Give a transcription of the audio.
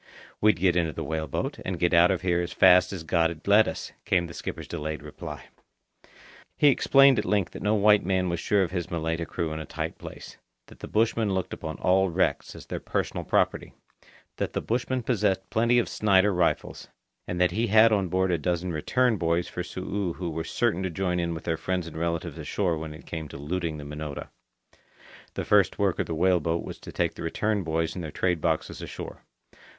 "We'd get into the whale boat, and get out of here as fast as God'd let us," came the skipper's delayed reply. He explained at length that no white man was sure of his Malaita crew in a tight place; that the bushmen looked upon all wrecks as their personal property; that the bushmen possessed plenty of Snider rifles; and that he had on board a dozen "return" boys for Su'u who were certain to join in with their friends and relatives ashore when it came to looting the Minota. The first work of the whale boat was to take the "return" boys and their trade boxes ashore.